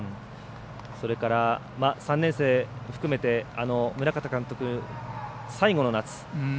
それから、３年生含めて宗像監督最後の夏。